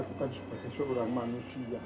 sampai jumpa di video selanjutnya